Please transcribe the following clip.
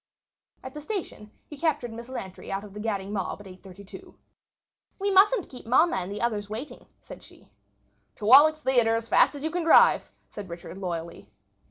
At the station he captured Miss Lantry out of the gadding mob at eight thirty two. "We mustn't keep mamma and the others waiting," said she. "To Wallack's Theatre as fast as you can drive!" said Richard loyally.